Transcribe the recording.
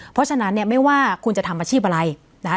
เพราะฉะนั้นเนี่ยไม่ว่าคุณจะทำอาชีพอะไรนะคะ